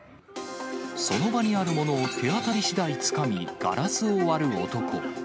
その場にあるものを手あたりしだいつかみ、ガラスを割る男。